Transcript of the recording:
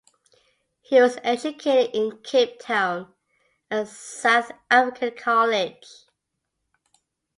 He was educated in Cape Town at the South African College.